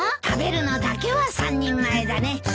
食べるのだけは３人前だね。